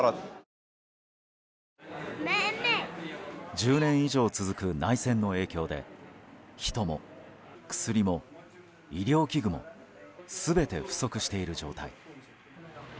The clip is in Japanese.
１０年以上続く内戦の影響で人も、薬も、医療器具も全て不足している状態。